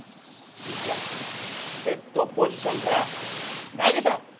ピッチャーセットポジションから投げた！